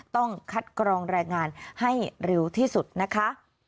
ต้องคัดกรองแรงงานให้เร็วที่สุดนะคะ